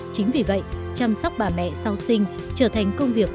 chính vì vậy chăm sóc bà mẹ sau sinh trở thành công việc